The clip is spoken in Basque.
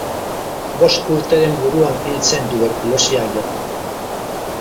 Bost urteren buruan hil zen tuberkulosiak jota.